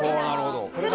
なるほど。